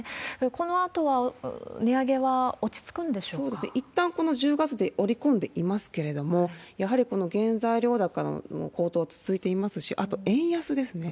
このあとは値上げは落ち着くんでいったんこの１０月で織り込んでいますけれども、やはりこの原材料高の高騰は続いていますし、あと円安ですね。